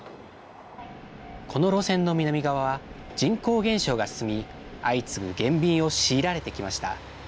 この路線の南側は、人口減少が進み、相次ぐ減便を強いられてきました。